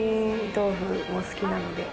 杏仁豆腐も好きなので。